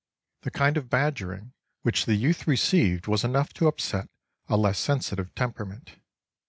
The kind of badgering which the youth received was enough to upset a less sensitive temperament.